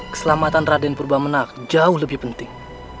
keselamatan raden purba menak jauh lebih penting